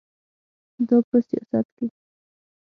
دا په سیاست کې ده.